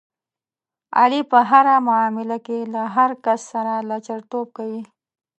علي په هره معامله کې له هر کس سره لچرتوب کوي.